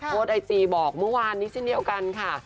ไอจีบอกเมื่อวานนี้เช่นเดียวกันค่ะ